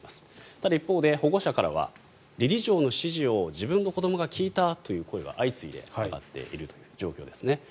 ただ一方で、保護者からは理事長の指示を自分の子どもが聞いたという声が相次いで上がっているという状況ですね。